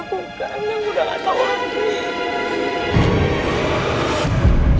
aku udah gak tau lagi